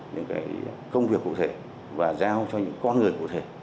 những công việc cụ thể và giao cho những con người cụ thể